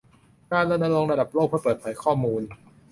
การรณรงค์ระดับโลกเพื่อเปิดเผยข้อมูล